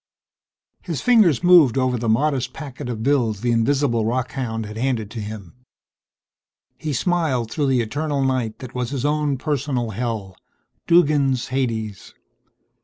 His fingers moved over the modest packet of bills the invisible rockhound had handed to him. He smiled through the eternal night that was his own personal hell. Duggan's Hades.